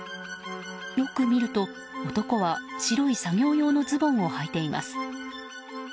よく見ると男は白い作業用のズボンをはいています。